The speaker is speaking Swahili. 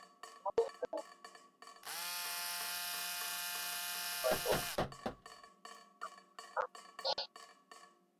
Dalili za ugonjwa wa majimoyo ni mnyama kurukwa na akili na kukanyaga kwa nguvu